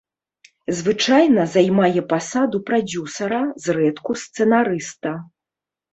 Звычайна займае пасаду прадзюсара, зрэдку сцэнарыста.